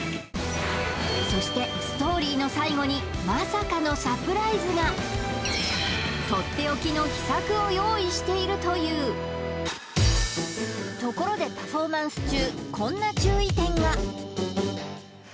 そしてストーリーの最後にまさかのサプライズがとっておきの秘策を用意しているというところでパフォーマンス中